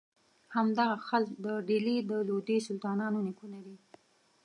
همدغه خلج د ډهلي د لودي سلطانانو نیکونه دي.